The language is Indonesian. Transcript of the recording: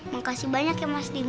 makasih banyak ya mas didi